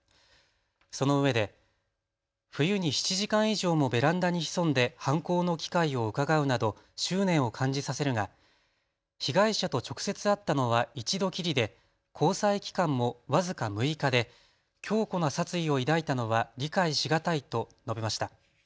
そのうえで冬に７時間以上もベランダに潜んで犯行の機会をうかがうなど執念を感じさせるが被害者と直接会ったのは一度きりで交際期間も僅か６日で強固な殺意を抱いたのは理解しがたいと述べました。